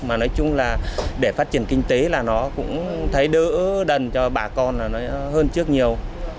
mà nói chung là để phát triển kinh tế là nó cũng thấy đỡ đần cho bà con là nó hơn trước nhiều